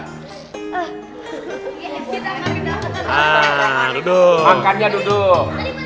nah duduk makannya duduk